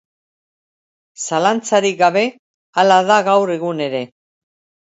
Zalantzarik gabe, hala da gaur egun ere.